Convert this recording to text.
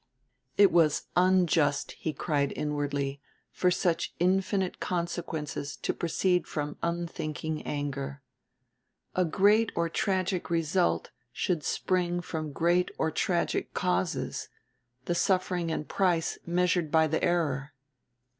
It was unjust, he cried inwardly, for such infinite consequences to proceed from unthinking anger! A great or tragic result should spring from great or tragic causes, the suffering and price measured by the error.